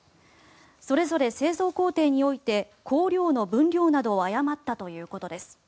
それぞれ製造工程において香料の分量などを誤ったということです。